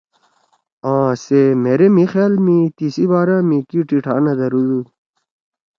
آ سےمھیرے مھی خیال می تیِسی بارا می کی ٹیٹھا نَہ دھرُودُو